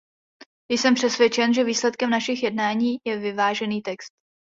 Jsem přesvědčen, že výsledkem našich jednání je vyvážený text.